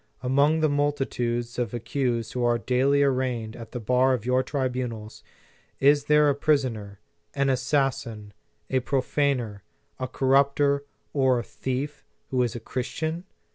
Among the multitudes of accused who are daily arraigned at the bar of your tribunals, is there a poi soner, an assassin, a profaner, a corrupter, or a thief, who is a Christian